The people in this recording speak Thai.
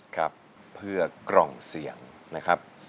ครับเพื่อกล่องเสียงนะครับ